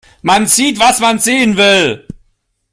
Man sieht, was man sehen will.